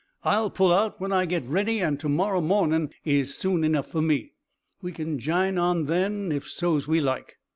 I'll pull out when I git ready, and to morrow mornin' is soon enough fer me. We kin jine on then, if so's we like."